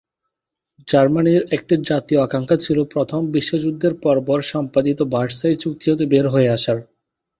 জার্মানির একটি জাতীয় আকাঙ্ক্ষা ছিল প্রথম বিশ্বযুদ্ধের পরপর সম্পাদিত ভার্সাই চুক্তি হতে বেরিয়ে আসার।